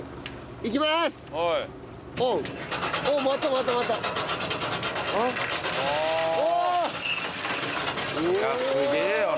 いやすげえよな。